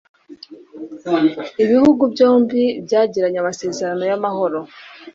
Ibihugu byombi byagiranye amasezerano y’amahoro.